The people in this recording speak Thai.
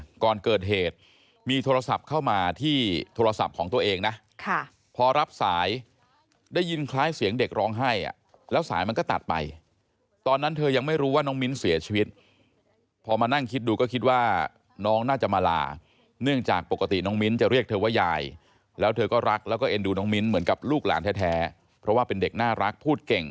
ก่อนเกิดเหตุมีโทรศัพท์เข้ามาที่โทรศัพท์ของตัวเองนะค่ะพอรับสายได้ยินคล้ายเสียงเด็กร้องไห้อ่ะแล้วสายมันก็ตัดไปตอนนั้นเธอยังไม่รู้ว่าน้องมิ้นเสียชีวิตพอมานั่งคิดดูก็คิดว่าน้องน่าจะมาลาเนื่องจากปกติน้องมิ้นจะเรียกเธอว่ายายแล้วเธอก็รักแล้วก็เอ็นดูน้องมิ้นเหมือนกับลูกหลานแท้เพราะว่าเป็นเด็กน่ารักพูดเก่ง